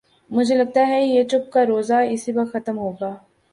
مجھے لگتا ہے کہ یہ چپ کا روزہ اسی وقت ختم ہو گا۔